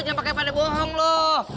jangan pakai pada bohong loh